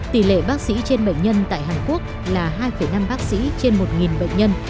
tỷ lệ bác sĩ trên bệnh nhân tại hàn quốc là hai năm bác sĩ trên một bệnh nhân